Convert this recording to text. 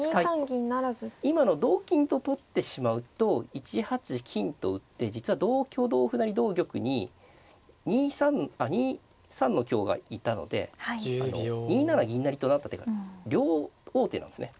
今の同金と取ってしまうと１八金と打って実は同香同歩成同玉に２三の香がいたので２七銀成と成った手が両王手なんですね。